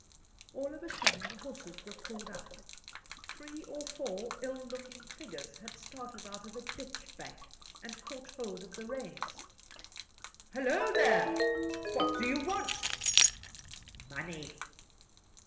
All of a sudden, the horses were pulled up. Three or four ill looking figures had started out of a ditch bank, and caught hold of the reins. "Holloa there! What do you want?" "Money."